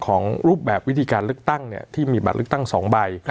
รูปแบบวิธีการเลือกตั้งที่มีบัตรเลือกตั้ง๒ใบ